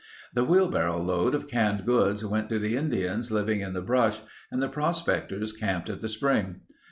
The wheelbarrow load of canned goods went to the Indians living in the brush and the prospectors camped at the spring.